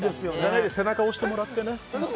占いで背中押してもらってね